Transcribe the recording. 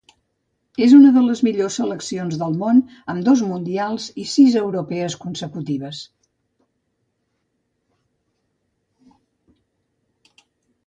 És una de les millors seleccions del món, amb dos Mundials i sis Eurocopes consecutives.